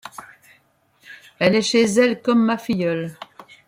Elle est chez elle, comme ma filleule.